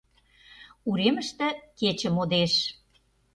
Уремыште кече модеш.